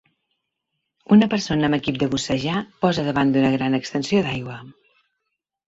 Una persona amb equip de bussejar posa davant d'una gran extensió d'aigua